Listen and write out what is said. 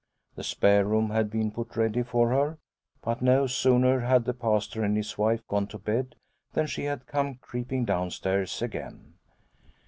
The spare room had been put ready for her, but no sooner had the Pastor and his wife gone to bed than she had come creeping downstairs again.